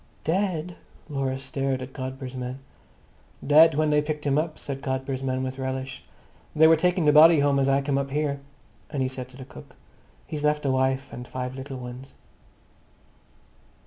"Dead!" Laura stared at Godber's man. "Dead when they picked him up," said Godber's man with relish. "They were taking the body home as I come up here." And he said to the cook, "He's left a wife and five little ones."